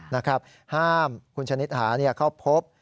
ห้ามคุณชนิดหาเข้าพบ